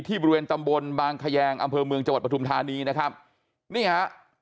บริเวณตำบลบางแขยงอำเภอเมืองจังหวัดปฐุมธานีนะครับนี่ฮะ